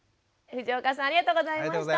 藤岡さんありがとうございました。